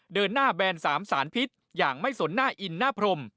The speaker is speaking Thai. เดินหน้าแบน๓สารพิษอย่างไม่สนหน้าอินหน้าพรม